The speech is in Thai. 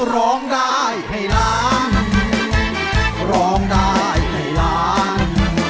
ร้องได้ให้ร้าน